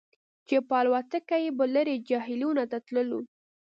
چې په الوتکه کې به لرې جهیلونو ته تللو